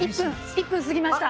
１分過ぎました。